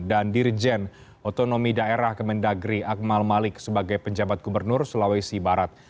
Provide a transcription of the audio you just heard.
dan dirjen otonomi daerah kemendagri akmal malik sebagai penjabat gubernur sulawesi barat